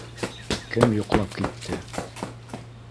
Кем йоҡлап китте?